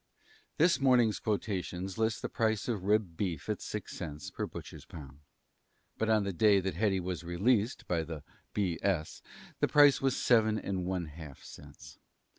This morning's quotations list the price of rib beef at six cents per (butcher's) pound. But on the day that Hetty was "released" by the B. S. the price was seven and one half cents.